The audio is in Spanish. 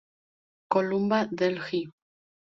Columba, Delhi.